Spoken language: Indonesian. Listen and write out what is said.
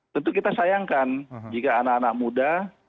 tentu kita sayangkan jika anak anak muda